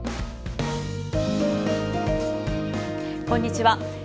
こんにちは。